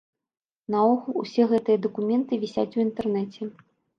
Наогул усе гэтыя дакументы вісяць у інтэрнэце.